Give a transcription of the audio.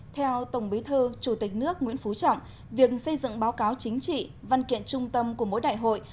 theo tổng bí thư chủ tịch nước nguyễn phú trọng việc xây dựng báo cáo chính trị văn kiện trung tâm của mỗi đại hội